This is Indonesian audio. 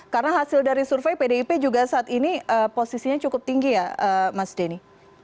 karena hasil dari survei pdip juga saat ini posisinya cukup tinggi ya mas denny